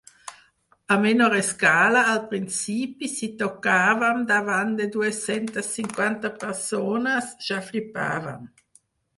A menor escala, al principi, si tocàvem davant de dues-centes cinquanta persones ja flipàvem.